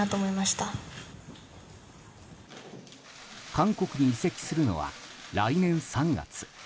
韓国に移籍するのは来年３月。